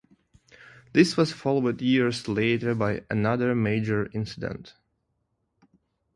This was followed years later by another major incident.